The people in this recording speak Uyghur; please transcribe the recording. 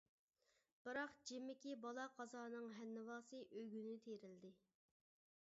بىراق جىمىكى بالا-قازانىڭ ھەننىۋاسى ئۆگۈنى تېرىلدى.